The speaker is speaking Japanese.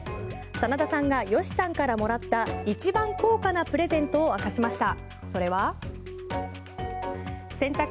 真田さんが吉さんからもらった一番高価なプレゼントを明かしました。